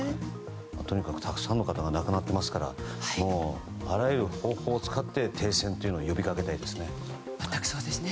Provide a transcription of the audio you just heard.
とにかくたくさんの方が亡くなっていますからもうあらゆる方法を使って停戦を呼び掛けたいですね。